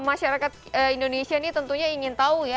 masyarakat indonesia ini tentunya ingin tahu ya